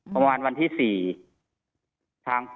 ครับตัวนั้นหรอครับ